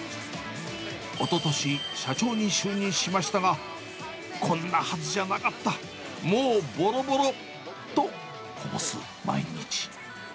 おととし、社長に就任しましたが、こんなはずじゃなかった、もうぼろぼろとこぼす毎日。